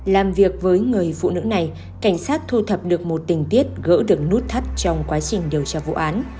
làm việc với người phụ nữ này cảnh sát thu thập được một tình tiết gỡ được nút thắt trong quá trình điều tra vụ án